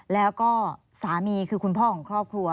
แล้วก็สามีคือคุณพ่อของครอบครัว